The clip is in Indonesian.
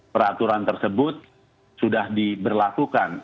peraturan tersebut sudah diberlakukan